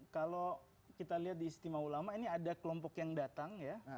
kalau kita lihat di istimewa ulama ini ada kelompok yang datang ya